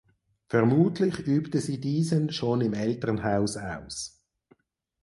Vermutlich übte sie diesen schon im Elternhaus aus.